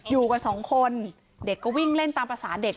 อยู่กันสองคนเด็กก็วิ่งเล่นตามภาษาเด็ก